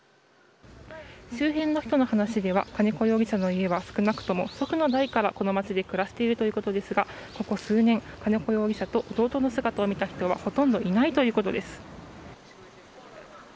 周辺の人の話では金子容疑者の家は少なくとも祖父の代からこの町で暮らしているということですがここ数年、金子容疑者と弟の姿を見た人は